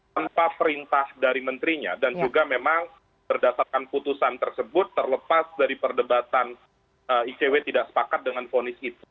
tanpa perintah dari menterinya dan juga memang berdasarkan putusan tersebut terlepas dari perdebatan icw tidak sepakat dengan fonis itu